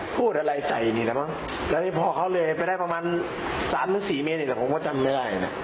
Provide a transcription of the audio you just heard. พูดอะไรใส่นี่แหละมั้งแล้วนี่พอเขาเลยไปได้ประมาณ๓๔เมตรนี่แหละผมก็จำไม่ได้นะ